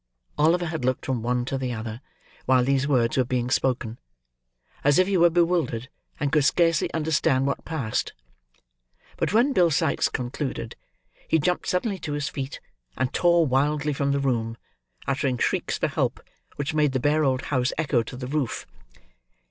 Oliver had looked from one to the other, while these words were being spoken, as if he were bewildered, and could scarecely understand what passed; but when Bill Sikes concluded, he jumped suddenly to his feet, and tore wildly from the room: uttering shrieks for help, which made the bare old house echo to the roof.